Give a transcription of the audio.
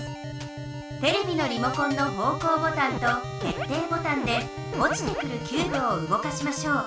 テレビのリモコンのほうこうボタンとけっていボタンでおちてくるキューブを動かしましょう。